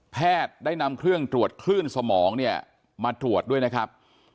ได้นำเครื่องตรวจคลื่นสมองเนี่ยมาตรวจด้วยนะครับ